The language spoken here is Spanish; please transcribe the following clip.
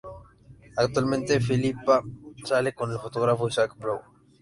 Actualmente Philippa sale con el fotógrafo Isaac Brown.